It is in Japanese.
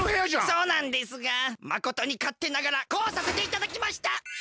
そうなんですがまことにかってながらこうさせていただきました！